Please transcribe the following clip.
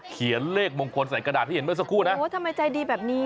เขียนเลขมงคลใส่กระดาษที่เห็นเมื่อสักครู่นะโอ้ทำไมใจดีแบบนี้